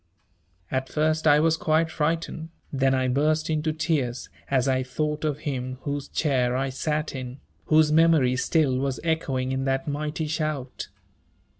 At first I was quite frightened, then I burst into tears as I thought of him whose chair I sat in, whose memory still was echoing in that mighty shout.